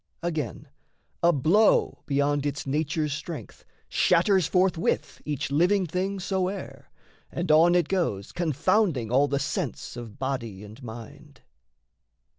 Again, a blow beyond its nature's strength Shatters forthwith each living thing soe'er, And on it goes confounding all the sense Of body and mind.